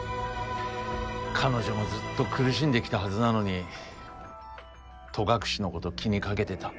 彼女もずっと苦しんできたはずなのに戸隠のこと気にかけてた。